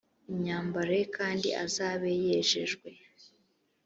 imyambaro ye kandi azabe yejejwe